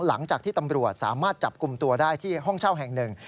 หลังจากที่ตำรวจสามารถจับกลุ่มตัวได้ที่ห้องเช่าแห่งหนึ่ง